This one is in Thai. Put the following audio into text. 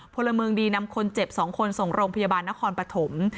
พลเมืองดีนำคนเจ็บ๒คนส่งโรงพยาบาลนครปฐม